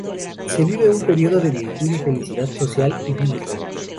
Se vive un período de virtud y felicidad social idílica.